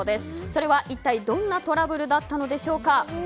それは一体どんなトラブルだったのでしょうか。